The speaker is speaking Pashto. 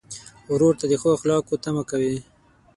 ورور ته د ښو اخلاقو تمه کوې.